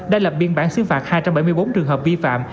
đã lập biên bản xứ phạt hai trăm bảy mươi bốn trường hợp vi phạm